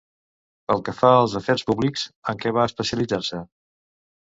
Pel que fa als afers públics, en què va especialitzar-se?